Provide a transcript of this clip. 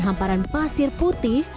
hamparan pasir putih